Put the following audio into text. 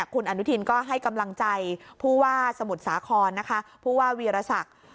คุณอนุทินก็ให้กำลังใจผู้ว่าสมุทรสาครนะคะผู้ว่าวีรศักดิ์